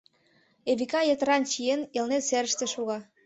Эвика, йытыран чиен, Элнет серыште шога.